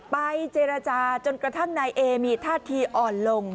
ไปเจรจาจนกระทั่งนายเอมีท่าทีอ่อนลง